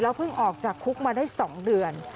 เพิ่งออกจากคุกมาได้๒เดือน